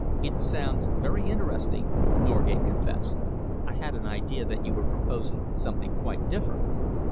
"It sounds very interesting," Norgate confessed. "I had an idea that you were proposing something quite different."